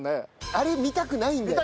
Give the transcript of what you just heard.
あれ見たくないんだよ！